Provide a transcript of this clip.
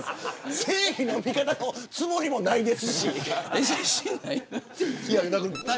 正義の味方のつもりもないですし。